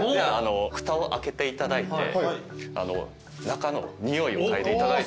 ふたを開けていただいて中の匂いを嗅いでいただいてもいいですか。